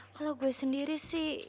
kalo gue sendiri sih